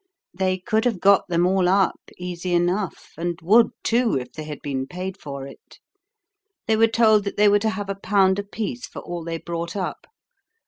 They could have got them all up easy enough, and would, too, if they had been paid for it. They were told that they were to have a pound apiece for all they brought up.